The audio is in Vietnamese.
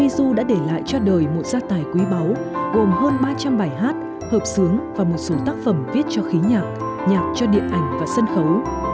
gồm hơn ba trăm linh bài hát hợp xướng và một số tác phẩm viết cho khí nhạc nhạc cho điện ảnh và sân khấu